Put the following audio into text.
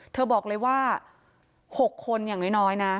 เธอบอกเลยว่า๖คนอย่างน้อยนะ